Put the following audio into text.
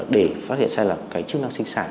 để phát hiện ra là cái chức năng sinh sản